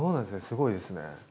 すごいですね。